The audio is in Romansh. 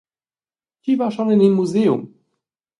Tgi va schon en in museum?